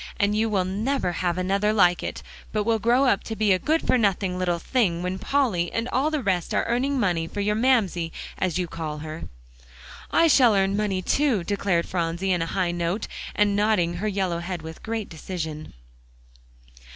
And you will never have another like it, but will grow up to be a good for nothing little thing when Polly and all the rest are earning money for your Mamsie, as you call her." "I shall earn money too," declared Phronsie on a high note, and nodding her yellow head with great decision.